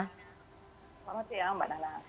selamat siang mbak dina